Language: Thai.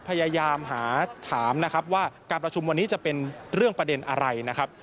พยายามหาถามนะครับว่าการประชุมวันนี้จะเป็นเรื่องประเด็นอะไรนะครับ